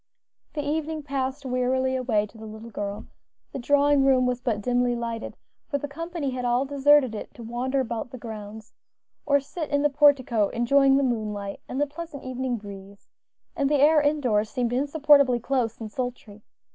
The evening passed wearily away to the little girl; the drawing room was but dimly lighted, for the company had all deserted it to wander about the grounds, or sit in the portico enjoying the moonlight and the pleasant evening breeze, and the air indoors seemed insupportably close and sultry.